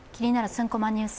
３コマニュース」